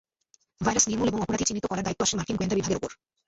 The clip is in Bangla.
ভাইরাস নির্মূল এবং অপরাধী চিহ্নিত করার দায়িত্ব আসে মার্কিন গোয়েন্দা বিভাগের ওপর।